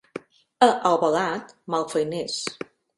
A Albalat, malfeiners.